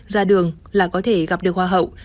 ra đường là có thể gặp được hoa hậu